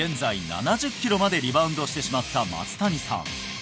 ７０キロまでリバウンドしてしまった松谷さん